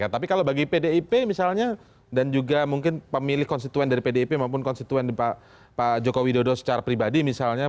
tapi kalau bagi pdip misalnya dan juga mungkin pemilih konstituen dari pdip maupun konstituen pak joko widodo secara pribadi misalnya